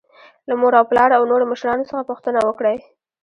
له مور او پلار او نورو مشرانو څخه پوښتنه وکړئ.